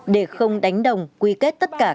để không đánh đồng quy kết tất cả các bộ